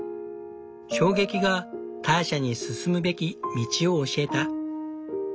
衝撃がターシャに進むべき道を教えた。